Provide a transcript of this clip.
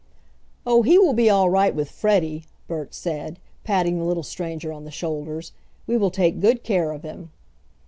"Oh, he will be all right with Freddie!" Bert said, patting the little stranger on the shoulders. "We will take good care of him."